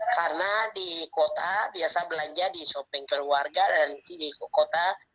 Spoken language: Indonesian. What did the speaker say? karena di kota biasa belanja di shopping keluarga dan di kota